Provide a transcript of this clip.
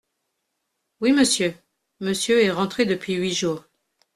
Oui, Monsieur, Monsieur est rentré depuis huit jours.